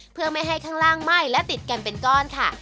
เพื่อไม่ให้ข้างล่างไหม้และติดกันเป็นก้อนค่ะ